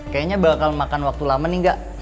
kayaknya bakal makan waktu lama nih gak